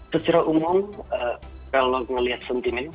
secara umum kalau melihat sentimen